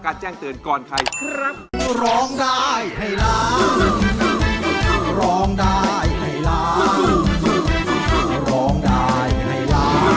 การแจ้งเตือนก่อนใครครับ